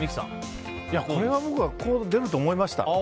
これは、僕はこう出ると思いました。